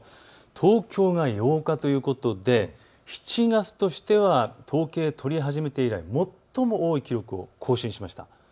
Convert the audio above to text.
東京が８日ということで７月としては統計取り始めて以来、最も多い記録を更新しました。